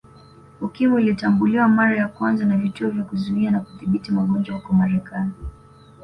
Ukimwi ulitambuliwa mara ya kwanza na Vituo vya Kuzuia na Kudhibiti Magonjwa huko Marekani